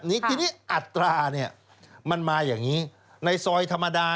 ทีนี้อัตรามันมาอย่างนี้ในซอยธรรมดา